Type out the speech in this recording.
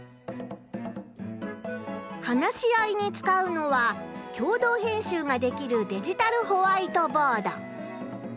話し合いに使うのは共同編集ができるデジタルホワイトボード。